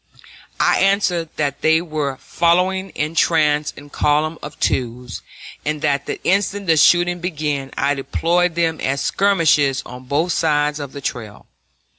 I answered that they were following in trace in column of twos, and that the instant the shooting began I deployed them as skirmishers on both sides of the trail.